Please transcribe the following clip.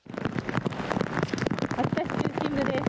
秋田市中心部です。